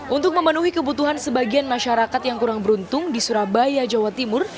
untuk memenuhi kebutuhan sebagian masyarakat yang kurang beruntung di surabaya jawa timur